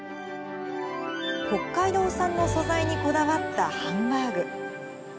北海道産の素材にこだわったハンバーグ。